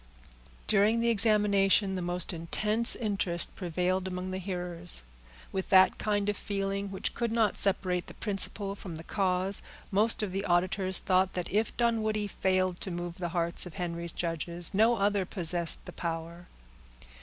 During the examination, the most intense interest prevailed among the hearers. With that kind of feeling which could not separate the principle from the cause, most of the auditors thought that if Dunwoodie failed to move the hearts of Henry's judges, no other possessed the power.